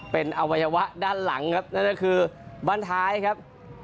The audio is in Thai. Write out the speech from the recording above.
เป็นอวัยวะด้านหลังครับนั่นก็คือบ้านท้ายครับ